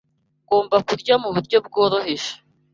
Ngomba kurya mu buryo bworoheje